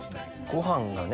ご飯がね。